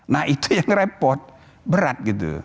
nah itu yang repot berat gitu